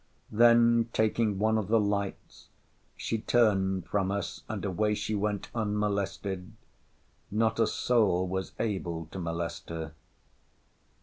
Then, taking one of the lights, she turned from us; and away she went, unmolested.—Not a soul was able to molest her.